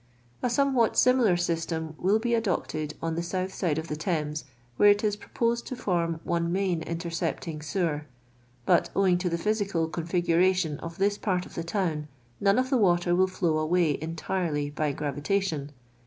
A somewhat similar sytera will be adopted on the south side of the Thames, where it is pro posed to font) one mxiin inlerccj»ting sewer ; but. owing to the physical configunition of this |>art of the town, none of the water will flow away en tirely by ;»niviiation.